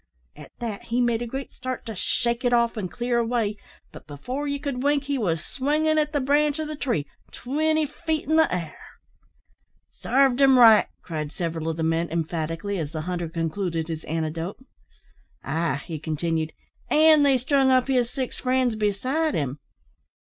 At that he made a great start to shake it off, and clear away; but before you could wink, he was swingin' at the branch o' the tree, twinty feet in the air. "Sarved him right," cried several of the men, emphatically, as the hunter concluded his anecdote. "Ay," he continued, "an' they strung up his six friends beside him."